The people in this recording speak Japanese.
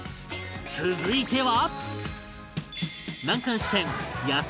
続いては